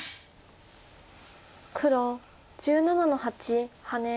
黒１７の八ハネ。